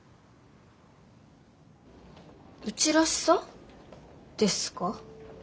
うちらしさですか？